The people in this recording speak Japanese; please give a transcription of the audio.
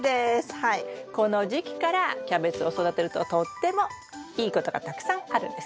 この時期からキャベツを育てるととってもいいことがたくさんあるんです。